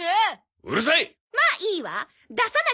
うるさい！